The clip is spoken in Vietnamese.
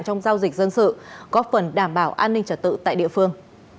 trong giao dịch dân sự góp phần đảm bảo an ninh trật tự tại địa phương